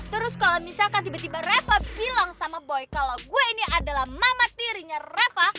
terus kalau misalkan tiba tiba repot hilang sama boy kalau gue ini adalah mamat tirinya reva